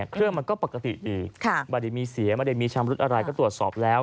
เครื่องมันก็ปกติดีไม่ได้มีเสียไม่ได้มีชำรุดอะไรก็ตรวจสอบแล้ว